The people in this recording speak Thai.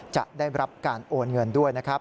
จะได้รับการโอนเงินด้วยนะครับ